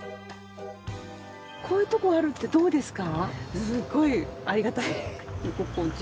こういう所あるってどうですか？